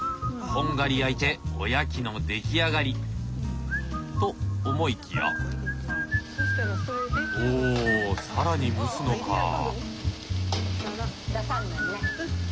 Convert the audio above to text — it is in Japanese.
こんがり焼いておやきの出来上がり！と思いきやおお更に蒸すのか。